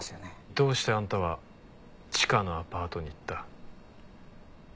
どうしてあんたはチカのアパートに行った？